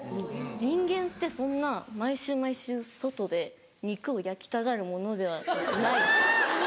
人間ってそんな毎週毎週外で肉を焼きたがるものではない。